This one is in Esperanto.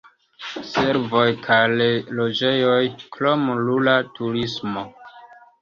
Servoj kaj loĝejoj, krom rura turismo.